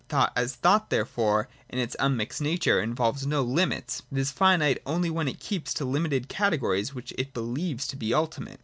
Thought, as thought, therefore in its unmixed nature involves no limits ; it is finite only when it keeps to limited categories, which it believes to be ultimate.